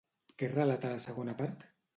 Què relata la segona part?